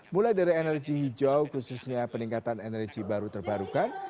mulai dari energi hijau khususnya peningkatan energi baru terbarukan